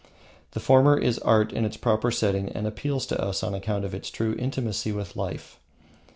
The former is art in its proper setting and appeals to us on account of its true intimacy with life.